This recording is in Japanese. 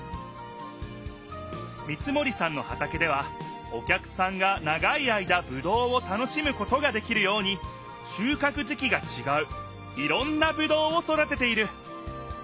三森さんの畑ではお客さんが長い間ぶどうを楽しむことができるようにしゅうかく時期がちがういろんなぶどうを育てている。